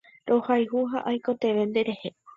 Rohayhu ha aikotevẽ nderehe